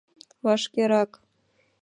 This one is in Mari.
Вашкерак!..